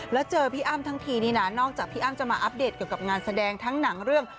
แล้วเจอพี่อ้ำทั้งทีนี่นะนอกจากพี่อ้ำจะมาอัปเดตเกี่ยวกับงานแสดงทั้งหนังเรื่อง